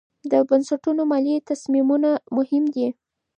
د بنسټونو مالي تصمیمونه مهم دي.